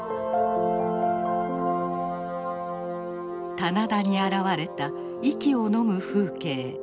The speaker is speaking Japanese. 棚田に現れた息をのむ風景。